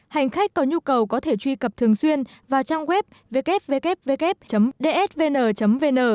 hành khách có nhu cầu có thể truy cập thường xuyên vào trang web www dsvn vn